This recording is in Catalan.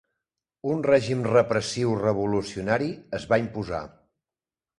Un règim repressiu revolucionari es va imposar.